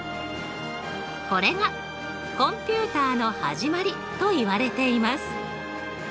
これがコンピュータの始まりといわれています。